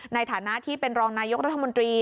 ในฐานะที่เป็นรองนายกรัฐมนตรี